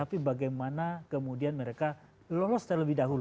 tapi bagaimana kemudian mereka lolos terlebih dahulu